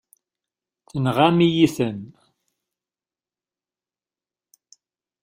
Tenɣam-iyi-ten.